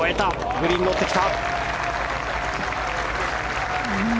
グリーンに乗ってきた！